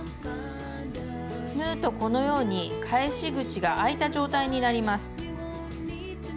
縫うとこのように返し口があいた状態になります。